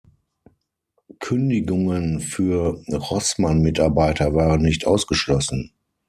Kündigungen für Rossmann-Mitarbeiter waren nicht ausgeschlossen.